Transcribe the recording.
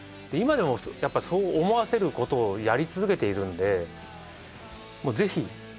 今でもやっぱりそう思わせることをやり続けているんで。